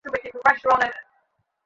কিন্তু আমাদের হাতে অনেক সময় আছে।